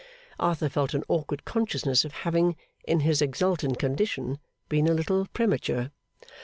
Arthur felt an awkward consciousness of having, in his exultant condition, been a little premature.